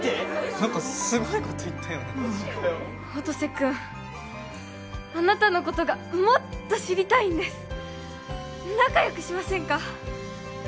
何かすごいこと言ったよな音瀬君あなたのことがもっと知りたいんです仲よくしませんか？